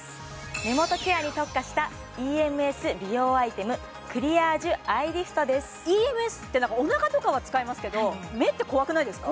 目元ケアに特化したＥＭＳ美容アイテムクリアージュアイリフトですＥＭＳっておなかとかは使いますけど目って怖くないですか？